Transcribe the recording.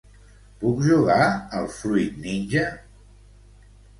Puc jugar al "Fruit ninja"?